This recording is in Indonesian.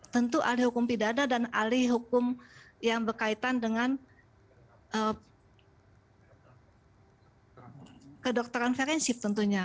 tentu ahli hukum pidana dan ahli hukum yang berkaitan dengan kedokteran forensik tentunya